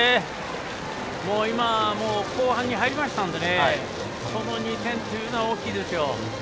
もう今後半に入りましたのでこの２点というのは大きいですよ。